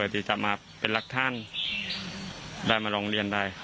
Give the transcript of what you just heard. ที่จะมาเป็นรักท่านได้มาร้องเรียนได้